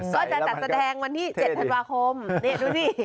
ก็จะจัดแสดงวันที่๗ธันวาคมนี่ดูสิ